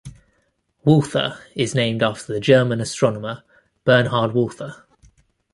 Walther is named after the German astronomer Bernhard Walther.